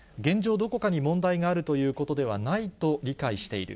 どこかに問題があるということではないと理解している。